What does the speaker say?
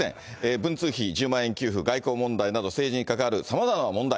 文通費、１０万円給付、外交問題など、政治に関わるさまざまな問題。